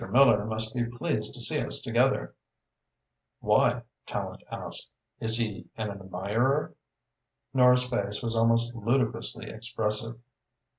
Miller must be pleased to see us together." "Why?" Tallente asked. "Is he an admirer?" Nora's face was almost ludicrously expressive.